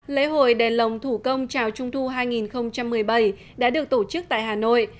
lễ hội đèn lồng thủ công chào trung thu hai nghìn một mươi bảy đã được tổ chức tại hà nội